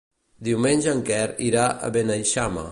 Diumenge en Quer irà a Beneixama.